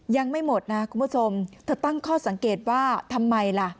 ยังไม่หมดนะคุณผู้ชมเธอตั้งข้อสังเกตว่าทำไมล่ะ